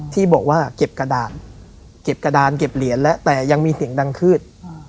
ที่บอกว่าเก็บกระดานเก็บกระดานเก็บเหรียญแล้วแต่ยังมีเสียงดังขึ้น